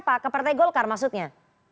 di siapa ke partai golkar maksudnya